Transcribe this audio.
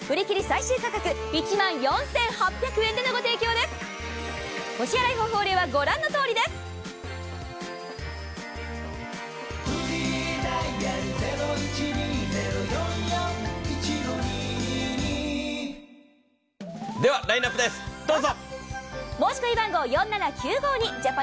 では、ラインナップです、どうぞ。